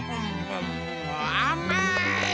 あまい！